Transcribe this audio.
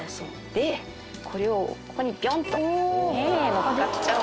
これをここにぴょんとのっかっちゃう。